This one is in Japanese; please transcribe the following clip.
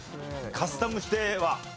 「カスタムして」は？